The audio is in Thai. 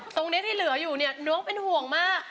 ตรงนี้ที่เหลืออยู่เนี่ยน้องเป็นห่วงมาก